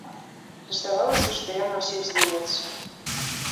Здавалася, што ён на ўсіх злуецца.